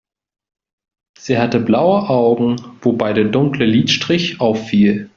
Sie hatte blaue Augen, wobei der dunkle Lidstrich auffiel.